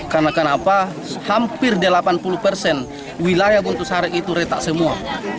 karena kenapa hampir delapan puluh persen wilayah buntusarek itu retak semua